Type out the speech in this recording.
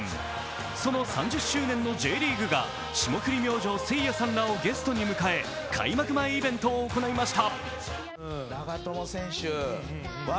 その３０周年のＪリーグが霜降り明星せいやさんらをゲストに迎え開幕前イベントを行いました。